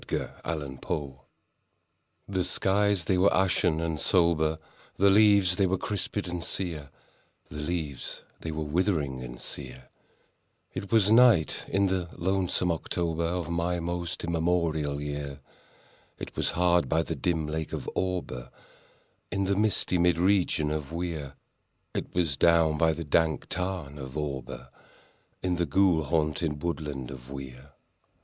1849. ULALUME The skies they were ashen and sober; The leaves they were crispèd and sere— The leaves they were withering and sere; It was night in the lonesome October Of my most immemorial year: It was hard by the dim lake of Auber, In the misty mid region of Weir:— It was down by the dank tarn of Auber, In the ghoul haunted woodland of Weir.